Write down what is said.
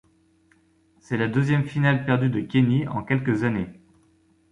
C’est la deuxième finale perdue de Kenny en quelques années.